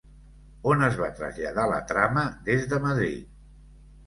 On es va traslladar la trama des de Madrid?